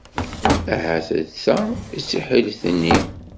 Ahat d ta i d tiḥilet-nni.